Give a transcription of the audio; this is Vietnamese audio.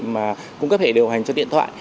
mà cung cấp hệ điều hành cho điện thoại